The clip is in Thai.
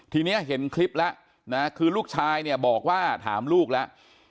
ทีนี้เห็นคลิปแล้วนะคือลูกชายเนี่ยบอกว่าถามลูกแล้ว